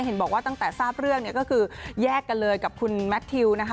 เห็นบอกว่าตั้งแต่ทราบเรื่องเนี่ยก็คือแยกกันเลยกับคุณแมททิวนะคะ